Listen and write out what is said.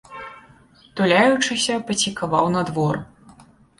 Туляючыся, пацікаваў на двор.